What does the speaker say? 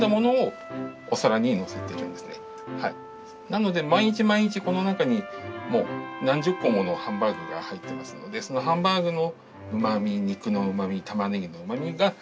なので毎日毎日この中に何十個ものハンバーグが入ってますのでそのハンバーグのうまみ肉のうまみたまねぎのうまみがここに入っています。